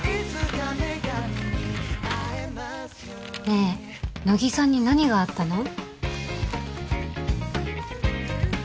ねえ野木さんに何があったの？